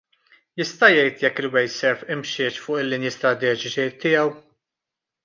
Jista' jgħid jekk il-Wasteserv imxietx fuq il-linji strateġiċi tiegħu?